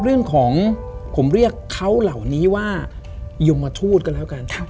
เรื่องของผมเรียกเขาเหล่านี้ว่ายมทูตก็แล้วกัน